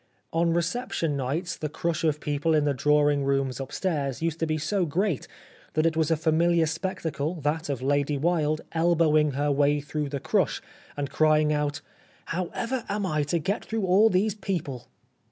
On reception nights the crush of people in the drawing rooms upstairs used to be so great that it was a familiar spectacle that of Lady Wilde elbowing her way through the crush and crying out, " How ever am I to get through all these people."